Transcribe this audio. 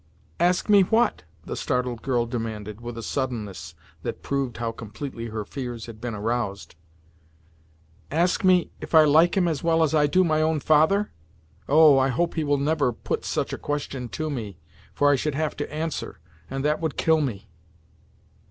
"Ask me what?' the startled girl demanded, with a suddenness that proved how completely her fears had been aroused. 'Ask me, if I like him as well as I do my own father! Oh! I hope he will never put such a question to me, for I should have to answer, and that would kill me!"